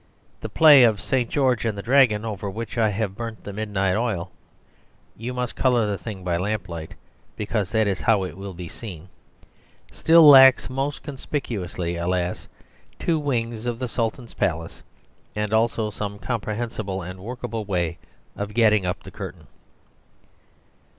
The play of "St. George and the Dragon," over which I have burnt the midnight oil (you must colour the thing by lamplight because that is how it will be seen), still lacks most conspicuously, alas! two wings of the Sultan's Palace, and also some comprehensible and workable way of getting up the curtain.